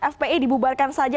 fpi dibubarkan saja